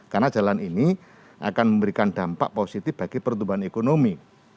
karena jalan ini akan memberikan dampak positif bagi pertumbuhan ekonomi